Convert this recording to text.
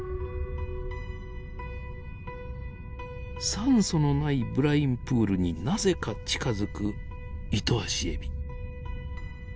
酸素のないブラインプールになぜか近づくイトアシエビ。